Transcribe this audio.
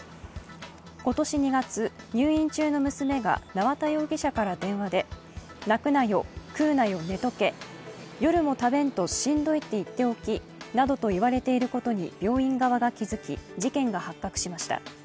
今年２月、入院中の娘が縄田容疑者から電話で泣くなよ、食うなよ、寝とけ、夜も食べんとしんどいって言っておきなどと言われていることに病院側が気付き事件が発覚しました。